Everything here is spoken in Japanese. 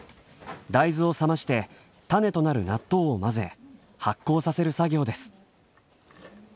大豆を冷ましてタネとなる納豆を混ぜ発酵させる作業です。